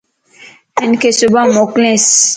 ھنک صبان موڪلينس